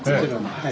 はい。